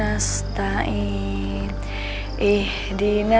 apa saja yudha misalkan over done